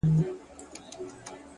o خدایه معلوم یمه. منافقت نه کوم.